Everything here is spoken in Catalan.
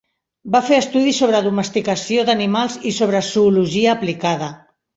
Va fer estudis sobre domesticació d'animals i sobre zoologia aplicada.